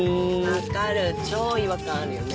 分かる超違和感あるよね。